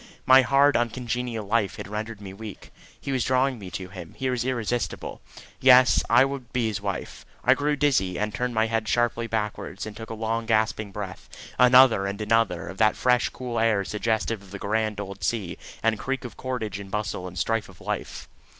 My hard uncongenial life had rendered me weak. He was drawing me to him; he was irresistible. Yes; I would be his wife. I grew dizzy, and turned my head sharply backwards and took a long gasping breath, another and another, of that fresh cool air suggestive of the grand old sea and creak of cordage and bustle and strife of life.